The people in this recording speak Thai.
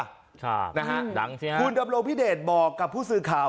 ครับดังใช่ไหมครับคุณดำรงพิเดชบอกกับผู้สื่อข่าว